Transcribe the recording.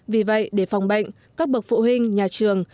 vì vậy để phòng bệnh các bậc phụ huynh nhà trường